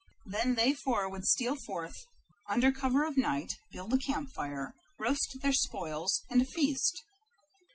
Then they four would steal forth under cover of night, build a camp fire, roast their spoils, and feast.